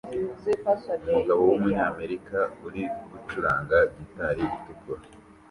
Umugabo wumunyamerika uri gucuranga gitari itukura